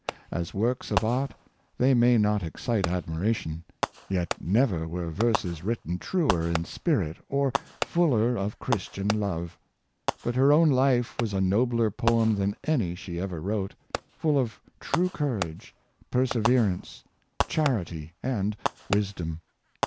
As works of art, they may not excite admiration ; yet never were verses written truer in spirit, or fuller of Christian love. But her own life was a nobler poem than any she ever wrote — full of true courage, perseverance, charity, and wisdom.